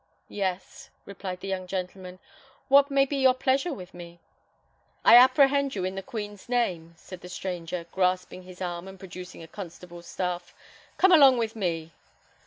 "Yes," replied the young gentleman; "what may be your pleasure with me?" "I apprehend you in the Queen's name," said the stranger, grasping his arm and producing a constable's staff. "Come along with me!"